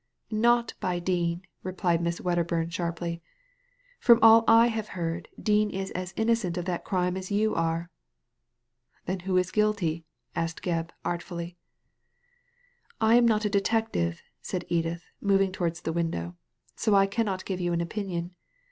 '»*• Not by Dean/' replied Miss Wcdderbum, sharply. " From all I have heard. Dean is as innocent of that crime as you are." " Then who b guilty ?" asked Gebb, artfully. *I am not a detective," said Edith, moving towards the window, "so I cannot give you an opinion.